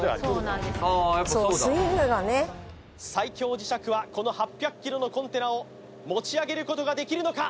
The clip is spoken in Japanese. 最強磁石はこの８００ｋｇのコンテナを持ち上げることができるのか？